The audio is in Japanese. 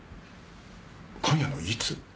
今夜のいつ？